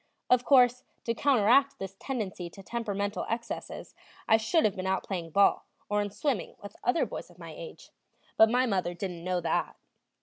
Of course, to counteract this tendency to temperamental excesses I should have been out playing ball or in swimming with other boys of my age; but my mother didn't know that.